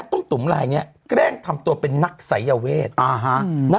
ข้อมูลของเหยื่อเขาบอกว่า